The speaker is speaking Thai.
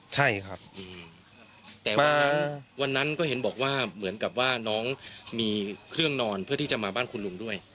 ใช่ครับแต่วันนั้นวันนั้นก็เห็นบอกว่าเหมือนกับว่าน้องมีเครื่องนอนเพื่อที่จะมาบ้านคุณลุงด้วย